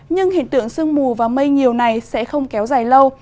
nhưng hiện tượng sương mù và mây nhiều này sẽ không kéo dài lâu